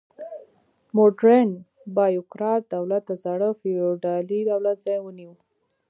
موډرن بیروکراټ دولت د زاړه فیوډالي دولت ځای ونیو.